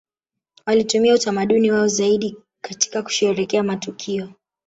Walitumia utamaduni wao zaidi katika kusherehekea matukio